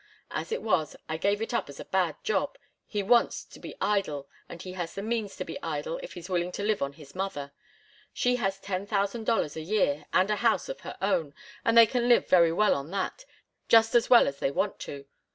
As it was, I gave it up as a bad job. He wants to be idle, and he has the means to be idle if he's willing to live on his mother. She has ten thousand dollars a year, and a house of her own, and they can live very well on that just as well as they want to.